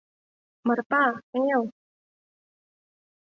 — Марпа, кынел!